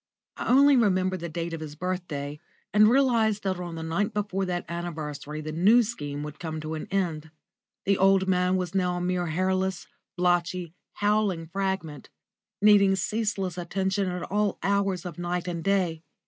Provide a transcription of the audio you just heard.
I only remembered the date of his birthday, and realised that on the night before that anniversary the New Scheme would come to an end. The old man was now a mere hairless, blotchy, howling fragment, needing ceaseless attention at all hours of night and day.